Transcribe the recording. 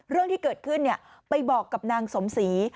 เรื่องที่เกิดขึ้นไปบอกกับนางสมศรี